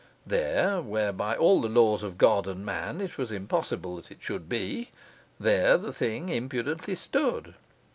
There, where by all the laws of God and man it was impossible that it should be there the thing impudently stood.